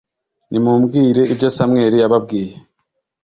nimumbwire ibyo Samweli yababwiye